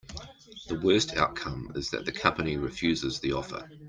The worst outcome is that the company refuses the offer.